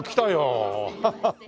アハハハ。